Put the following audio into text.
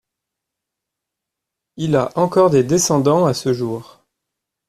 Il a encore des descendants à ce jour.